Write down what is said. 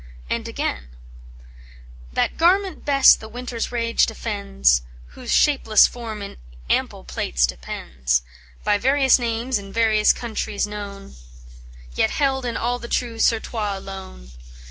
And again: "That garment best the winter's rage defends Whose shapeless form in ample plaits depends; By various names in various countries known, Yet held in all the true surtout alone.